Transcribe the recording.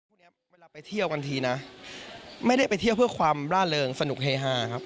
พวกนี้เวลาไปเที่ยวกันทีนะไม่ได้ไปเที่ยวเพื่อความล่าเริงสนุกเฮฮาครับ